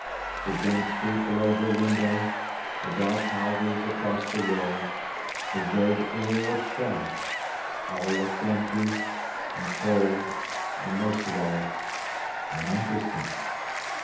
The dim street below her window, the dark houses across the way, the vague air itself—all looked empty, and cold and (most of all) uninteresting.